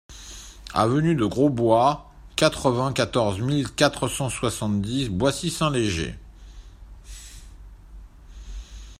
Avenue de Grosbois, quatre-vingt-quatorze mille quatre cent soixante-dix Boissy-Saint-Léger